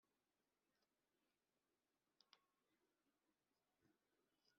izo komite kandi zifasha mu gikorwa cyo gukusanya amakuru